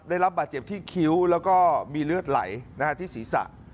ได้รับบาดเจ็บที่คิ้วแล้วก็มีเลือดไหลที่ศีรษะ